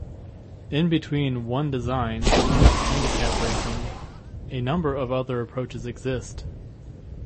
In between One-Design and handicap racing, a number of other approaches exist.